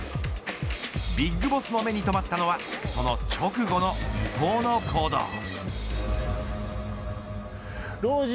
ビッグボスの目に留まったのはその直後の伊藤の行動。